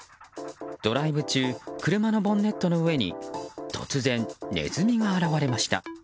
ドライブ中車のボンネットの上に突然、ネズミが現れました。